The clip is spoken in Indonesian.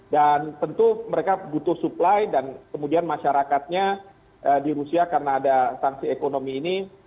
dan tentu mereka butuh supply dan kemudian masyarakatnya di rusia karena ada sanksi ekonomi ini